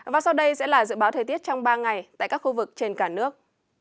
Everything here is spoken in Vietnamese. và sau đây sẽ là dự báo thời tiết trong ba ngày tại các khu vực trên cả nước